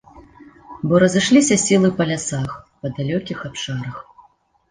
Бо разышліся сілы па лясах, па далёкіх абшарах.